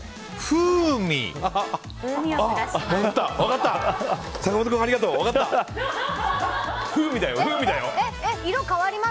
風味だよ！